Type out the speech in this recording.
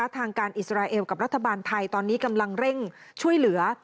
ทางการอิสราเอลกับรัฐบาลไทยตอนนี้กำลังเร่งช่วยเหลือ